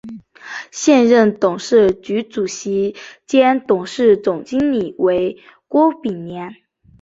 现任董事局主席兼董事总经理为郭炳联。